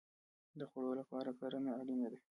د خوړو لپاره کرنه اړین ده